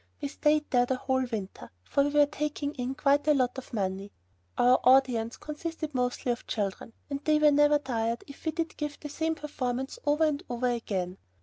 We stayed there the whole winter, for we were taking in quite a lot of money. Our audience consisted mostly of children, and they were never tired if we did give the same performance over and over again.